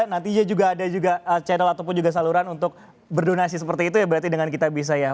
nantinya juga ada juga channel ataupun juga saluran untuk berdonasi seperti itu ya berarti dengan kitabisa ya